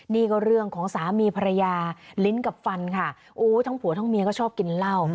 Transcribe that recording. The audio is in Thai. นี่ก็เรื่องของสามีภรรยาลิ้นกับฟันค่ะโอ้ทั้งผัวทั้งเมียก็ชอบกินเหล้า